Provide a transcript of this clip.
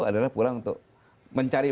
adalah pulang untuk mencari